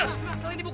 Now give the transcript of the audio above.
tidak tidak tidak